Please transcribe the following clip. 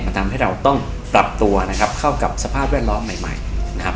มันทำให้เราต้องปรับตัวนะครับเข้ากับสภาพแวดล้อมใหม่ใหม่นะครับ